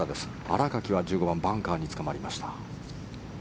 新垣は１５番、バンカーにつかまりました。